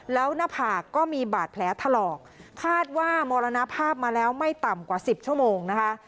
แล้วหน้าผากก็มีบาดแผลถลอกคาดว่ามรณภาพมาแล้วไม่ต่ำกว่าสิบชั่วโมงนะคะ